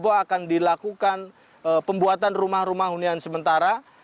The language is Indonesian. bahwa akan dilakukan pembuatan rumah rumah hunian sementara